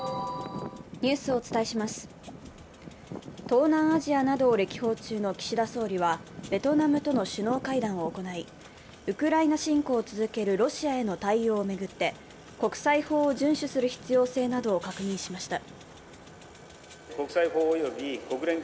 東南アジアなどを歴訪中の岸田総理は、ベトナムとの首脳会談を行いウクライナ侵攻を続けるロシアへの対応を巡って国際法を順守する必要性などを確認しました。